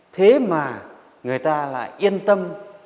thế mà người ta lại yên tâm